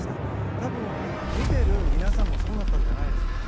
多分、見ている皆さんもそうだったんじゃないでしょうか。